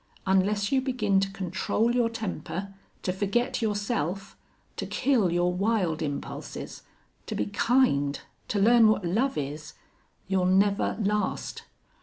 Unless you begin to control your temper, to forget yourself, to kill your wild impulses, to be kind, to learn what love is you'll never last!...